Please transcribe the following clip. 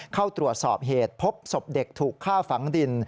เข้าตรวจสอบเหตุพบศพเด็กถูกฆ่าฝังดิน